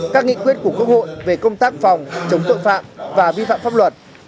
các nghị quyết của quốc hội về công tác phòng chống tội phạm và vi phạm pháp luật